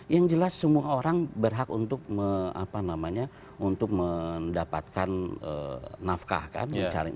yang jelas semua orang berhak untuk mendapatkan nafkah kan mencari